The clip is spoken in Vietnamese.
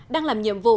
đang làm nhiệm vụ